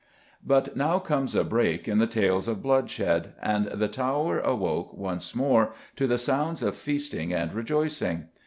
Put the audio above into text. But now comes a break in the tales of bloodshed, and the Tower awoke once more to the sounds of feasting and rejoicing.